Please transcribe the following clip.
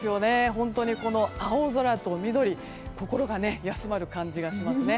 本当に青空と緑で心が休まる感じがしますね。